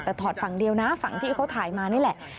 แต่ถอดฝั่งเดียวนะฝั่งที่เขาถ่ายมานี่แหละ